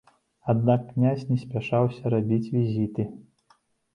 Аднак князь не спяшаўся рабіць візіты.